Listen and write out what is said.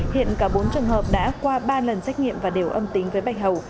hiện cả bốn trường hợp đã qua ba lần xét nghiệm và đều âm tính với bạch hầu